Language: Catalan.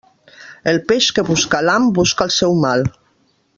El peix que busca l'ham busca el seu mal.